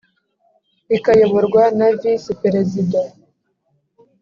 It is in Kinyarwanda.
ikayoborwa na Visi Perezida